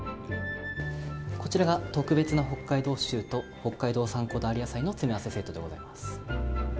こちらが特別な北海道シチューと北海道産こだわり野菜の詰め合わせセットでございます。